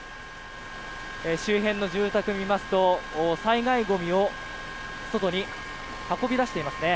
周辺の住宅を見ますと災害ごみを外に運び出していますね。